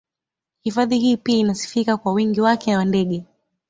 Hifadhi hii pia inasifika kwa wingi wake wa ndege